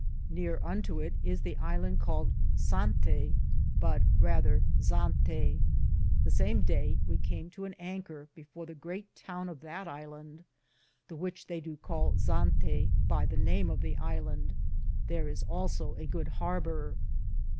Neare unto it is the iland caled Sante, but rether Zante. The same Daye we came to an anker before the greate toune of that ilande, the which theye Do call Zante, by the name of the ilande ; thar is also a good harbur.